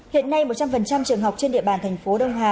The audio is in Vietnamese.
hiện nay một trăm linh trường học trên địa bàn thành phố đông hà